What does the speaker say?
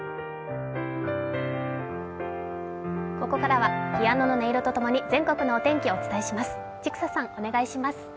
ここからはピアノの音色と共に全国のお天気をお伝えします。